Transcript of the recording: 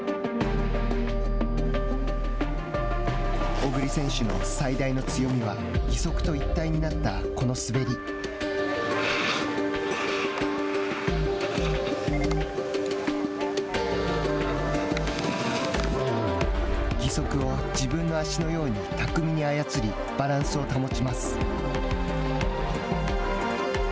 小栗選手の最大の強みは「義足と一体」になったこの滑り義足を自分の足のように巧みに操りバランスを保ちます。